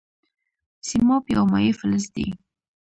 سیماب یو مایع فلز دی.